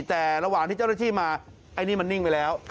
แต่ระหว่างที่เจ้าหน้าที่มาไอ้นี่มันนิ่งไปแล้ว